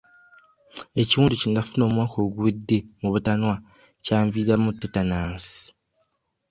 Ekiwundu kye nafuna omwaka oguwedde mu butanwa kyanviiramu tetanansi.